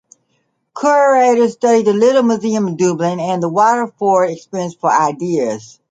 Curators studied the Little Museum of Dublin and the Waterford Experience for ideas.